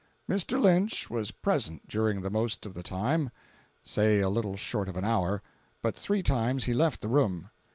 Mr. Lynch was present during the most of the time (say a little short of an hour), but three times he left the room.